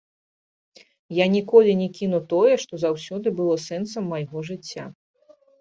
Я ніколі не кіну тое, што заўсёды было сэнсам майго жыцця.